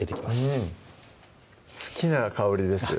うん好きな香りです